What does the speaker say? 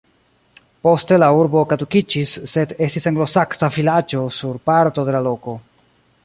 Poste la urbo kadukiĝis, sed estis anglosaksa vilaĝo sur parto de la loko.